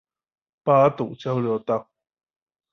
八堵交流道